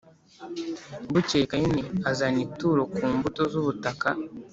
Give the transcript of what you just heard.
Bukeye Kayini azana ituro ku mbuto z ubutaka